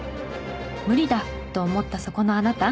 「無理だ」と思ったそこのあなた。